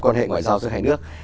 còn hệ ngoại giao giữa hai nước